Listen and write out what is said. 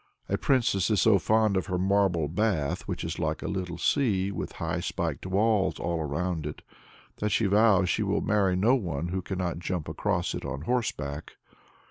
A princess is so fond of her marble bath, which is "like a little sea," with high spiked walls all around it, that she vows she will marry no one who cannot jump across it on horseback.